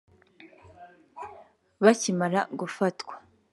Bakimara gufatwa